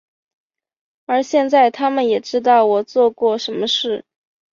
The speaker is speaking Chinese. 而现在他们也知道我做过什么事。